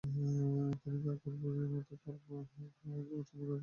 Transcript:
তিনি তার পূর্বপুরুষদের মতো কার্মা-ব্কা'-ব্র্গ্যুদ ধর্মসম্প্রদায়ের পৃষ্ঠপোষক ছিলেন।